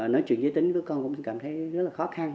nói chuyện giới tính với con cũng cảm thấy rất là khó khăn